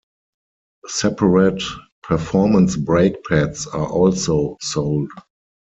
Separate performance brake pads are also sold.